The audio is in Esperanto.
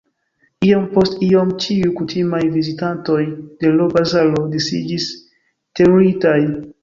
Iom post iom ĉiuj kutimaj vizitantoj de l' bazaro disiĝis teruritaj.